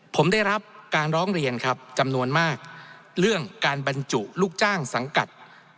ผมได้รับการร้องเรียนครับจำนวนมากเรื่องการบรรจุลูกจ้างสังกัด